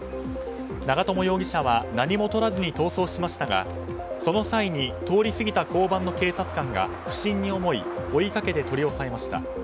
長友容疑者は何も取らずに逃走しましたがその際に、通り過ぎた交番の警察官が不審に思い追いかけて取り押さえました。